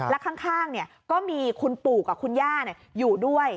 และข้างก็มีคุณปู่กับคุณย่าอยู่ด้วย